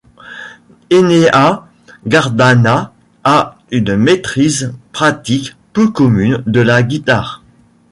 Enea Gardana a une maîtrise pratique peu commune de la guitare.